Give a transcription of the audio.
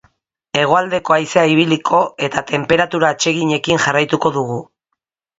Hegoaldeko haizea ibiliko eta tenperatura atseginekin jarraituko dugu.